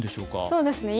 そうですね。